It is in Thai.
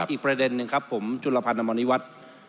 อีกประเด็นหนึ่งครับผมจุลภัณฑ์นมณีวัด